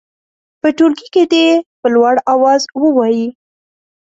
په ټولګي کې دې یې په لوړ اواز ووايي.